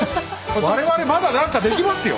我々まだ何かできますよ。